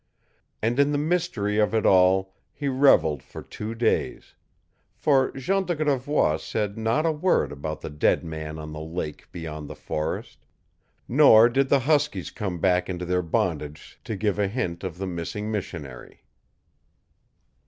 And in the mystery of it all he reveled for two days; for Jean de Gravois said not a word about the dead man on the lake beyond the forest, nor did the huskies come back into their bondage to give a hint of the missing missionary.